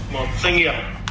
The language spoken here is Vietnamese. một doanh nghiệp